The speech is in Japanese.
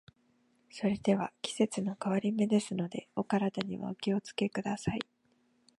それでは、季節の変わり目ですので、お体にはお気を付けください。